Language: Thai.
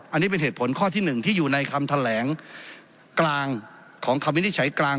อันนี้เป็นเหตุผลข้อที่๑ที่อยู่ในคำแถลงกลางของคำวินิจฉัยกลาง